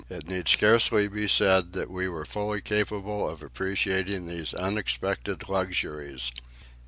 It need scarcely be said that we were fully capable of appreciating these unexpected luxuries.